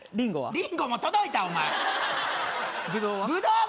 リンゴも届いたお前ブドウは？